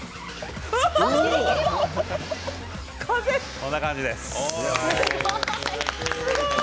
こんな感じです。